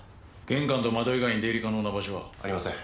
玄関と窓以外に出入り可能な場所は？ありません。